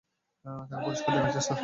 তাকে পরিষ্কার দেখাচ্ছে, স্যার।